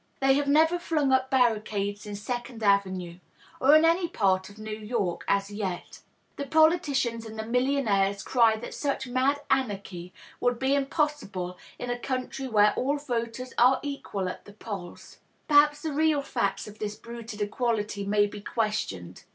They have never flung up barricades in Second Avenue— or in any part of New York, as yet. The politicians and the millionaires cry that such mad anarchy would be impossible in a country where all voters are equal at the polls. Perhaps the real facts of this bruited equality may be questioned.